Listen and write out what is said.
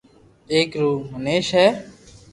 ايڪ رو منيس ھي